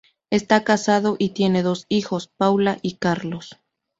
Esta casado y tiene dos hijos, Paula y Carlos.